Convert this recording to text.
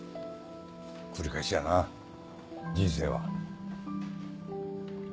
繰り返しやな人生は。